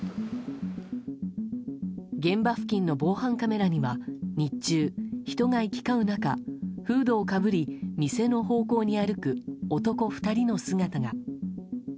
現場付近の防犯カメラには日中、人が行きかう中フードをかぶり、店の方向に歩く男２人の姿が。